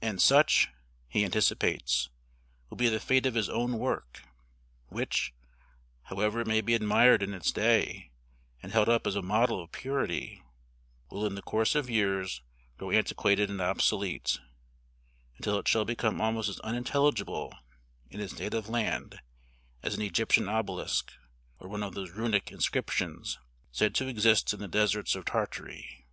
And such, he anticipates, will be the fate of his own work, which, however it may be admired in its day and held up as a model of purity, will in the course of years grow antiquated and obsolete, until it shall become almost as unintelligible in its native land as an Egyptian obelisk or one of those Runic inscriptions said to exist in the deserts of Tartary."